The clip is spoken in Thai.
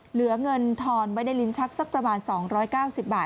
เหลือเงินทอนไว้ในลิ้นชักสักประมาณ๒๙๐บาท